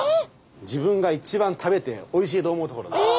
自分が一番食べておいしいと思うところです。